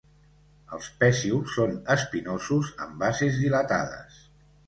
Els pecíols són espinosos, amb bases dilatades.